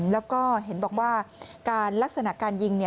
แล้วก็เห็นบอกว่าการลักษณะการยิง